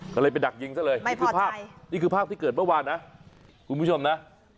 ก็เลยไปดักยิงซะเลยนี่คือภาพนี่คือภาพที่เกิดเมื่อวานนะคุณผู้ชมนะ